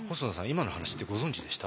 今の話ってご存じでした？